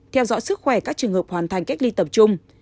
theo dõi sức khỏe các trường hợp hoàn thành cách ly tập trung